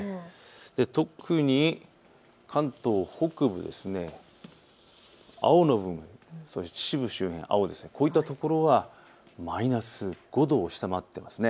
特に関東北部、青の部分、秩父周辺、こういったところはマイナス５度を下回っています。